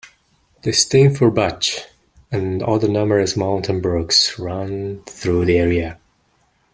The Steinfurtbach and other numerous mountain brooks run through the area.